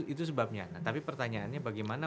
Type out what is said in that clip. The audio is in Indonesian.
itu sebabnya nah tapi pertanyaannya bagaimana